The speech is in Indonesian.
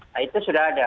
nah itu sudah ada